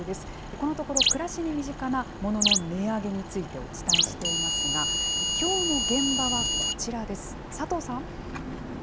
このところ、暮らしに身近なものの値上げについてお伝えしていますが、きょうの現場はこちらです。